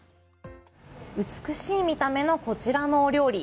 美しい見た目のこちらのお料理。